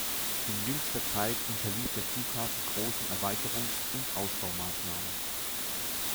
In jüngster Zeit unterlief der Flughafen großen Erweiterungs- und Ausbaumaßnahmen.